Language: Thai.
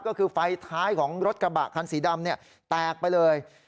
ก็คือไฟท้ายของรถกระบะคันสีดำแตกไปเลย